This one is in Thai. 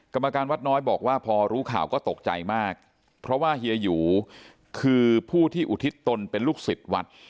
กรรมการวัดน้อยบอกว่าพอรู้ข่าวก็ตกใจมากเพราะว่าเฮียหยูคือผู้ที่อุทิศตนเป็นลูกศิษย์วัด